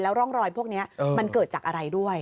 ร่องรอยพวกนี้มันเกิดจากอะไรด้วย